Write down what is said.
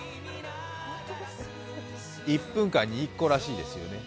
１分間に１個らしいですよね。